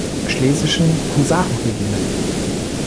Schlesischen Husarenregiment.